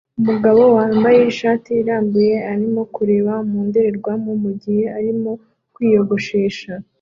Umugabo wambaye ishati irambuye arimo kureba mu ndorerwamo mugihe arimo kwiyogoshesha